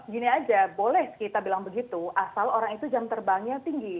gini aja boleh kita bilang begitu asal orang itu jam terbangnya tinggi